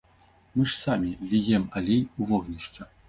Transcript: Мы ж самі ліем алей ў вогнішча.